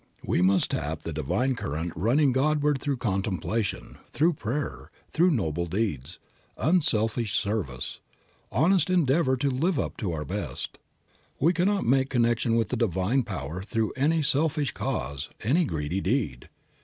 We must tap the divine current running Godward through contemplation, through prayer, through noble deeds, unselfish service, honest endeavor to live up to our best. We can not make connection with Divine Power through any selfish cause, any greedy deed.